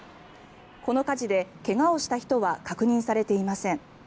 この火事で怪我をした人は確認されていません。